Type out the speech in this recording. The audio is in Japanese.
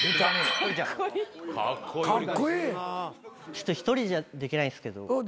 ちょっと１人じゃできないんですけど。